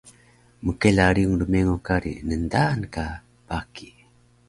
Mkela riyung rmengo kari ndaan ka baki